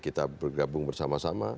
kita bergabung bersama sama